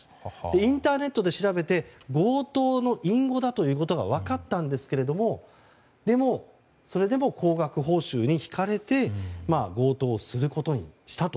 インターネットで調べて強盗の隠語だということが分かったんですがそれでも高額報酬に引かれて強盗をすることにしたと。